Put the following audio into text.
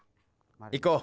行こう。